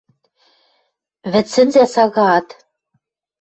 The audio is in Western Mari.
Вӹдсӹнзӓ сагаат